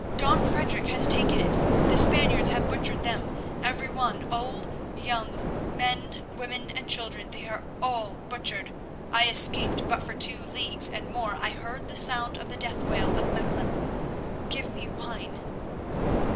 "Don Frederic has taken it; the Spaniards have butchered them; everyone, old and young, men, women, and children, they are all butchered. I escaped, but for two leagues and more I heard the sound of the death wail of Mechlin. Give me wine."